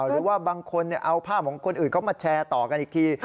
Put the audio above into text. หรือว่าบางคนเอาภาพของคนอื่นเข้ามาแชร์ต่อกันอีกที